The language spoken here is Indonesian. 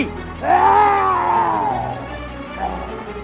tuan pak tiraga